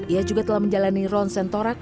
ia juga telah menjalani ronsentorak